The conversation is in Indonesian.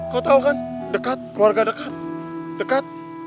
kau tahu kan dekat keluarga dekat dekat